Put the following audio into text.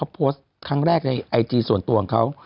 โพสต์ครั้งแรกในไอจีส่วนตัวของเขา